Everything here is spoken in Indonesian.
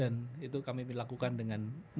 dan itu kami lakukan dengan mudah mudahan ya pak